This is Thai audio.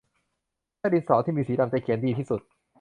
ไส้ดินสอที่มีสีดำจะเขียนดีที่สุด